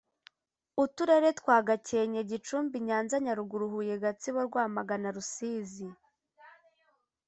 uturere twa gakenke gicumbi nyanza nyaruguru huye gatsibo rwamagana rusizi